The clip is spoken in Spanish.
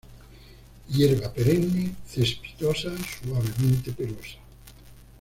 Hierba perenne, cespitosa, suavemente pelosa.